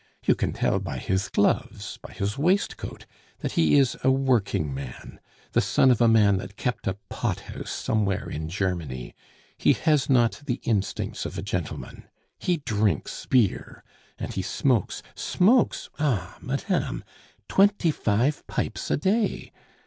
You can tell by his gloves, by his waistcoat, that he is a working man, the son of a man that kept a pot house somewhere in Germany; he has not the instincts of a gentleman; he drinks beer, and he smokes smokes? ah! madame, _twenty five pipes a day!